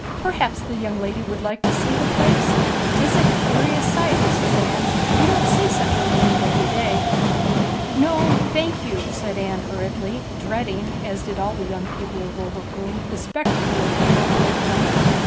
Perhaps the young woman would like to see the place? 'Tis a curious sight, Mis'ess Anne; you don't see such a wownd every day.' 'No, thank you,' said Anne hurriedly, dreading, as did all the young people of Overcombe, the spectacle of the corporal uncovered.